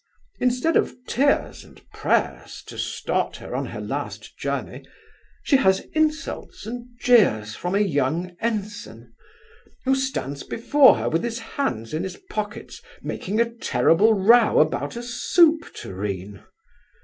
instead of tears and prayers to start her on her last journey, she has insults and jeers from a young ensign, who stands before her with his hands in his pockets, making a terrible row about a soup tureen!